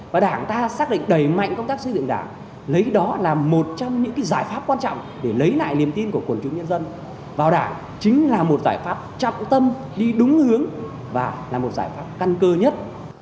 vào đảng chính là một giải pháp chẳng tâm đi đúng hướng và là một giải pháp căn cơ nhất